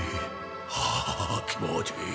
はあ気持ちいい。